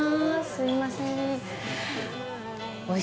すいません。